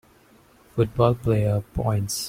a football player points.